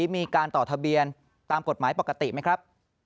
มีการต่อทะเบียนตามกฎหมายปกติไหมครับ